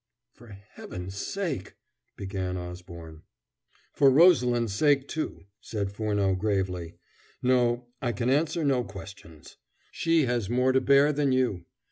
"For Heaven's sake " began Osborne. "For Rosalind's sake, too," said Furneaux gravely. "No, I can answer no questions. She has more to bear than you.